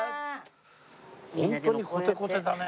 ホントにコテコテだね。